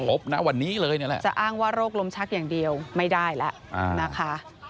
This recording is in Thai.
บนะวันนี้เลยเนี่ยแหละจะอ้างว่าโรคลมชักอย่างเดียวไม่ได้แล้วนะคะ